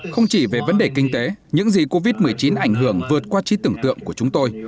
không chỉ về vấn đề kinh tế những gì covid một mươi chín ảnh hưởng vượt qua trí tưởng tượng của chúng tôi